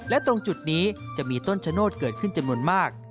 และตรงจุดนี้จะมีต้นชะโนธเกิดขึ้นจำนวนมาก